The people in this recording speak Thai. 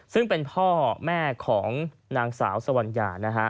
ซึ่งเป็นพ่อแม่ของนางสาวสวัญญานะฮะ